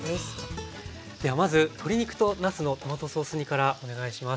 ではまず鶏肉となすのトマトソース煮からお願いします。